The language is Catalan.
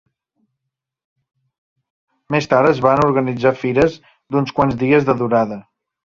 Més tard es van organitzar fires d'uns quants dies de durada.